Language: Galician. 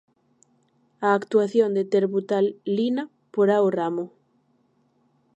A actuación de Terbutalina porá o ramo.